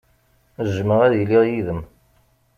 Jjmeɣ ad iliɣ yid-m.